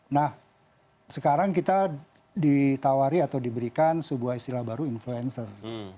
nah sekarang kita ditawari atau diberikan sebuah istilah baru influencer